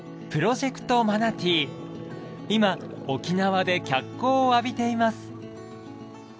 今沖縄で脚光を浴びています。